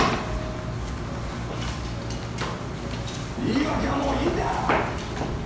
言い訳はもういいんだよ！！